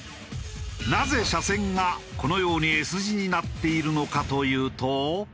なぜ車線がこのようにＳ字になっているのかというと。